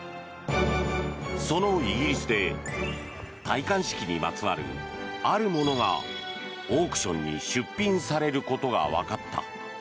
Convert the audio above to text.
そのイギリスで戴冠式にまつわる、あるものがオークションに出品されることがわかった。